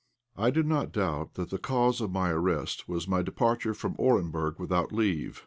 I did not doubt that the cause of my arrest was my departure from Orenburg without leave.